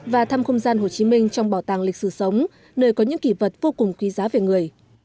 và thăm không gian hồ chí minh trong bảo tàng lịch sử sống nơi có những kỷ vật vô cùng quý giá về người